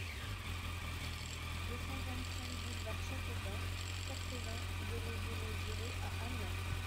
deux cent vingt-cinq boulevard Chateaudun, quatre-vingts, zéro zéro zéro à Amiens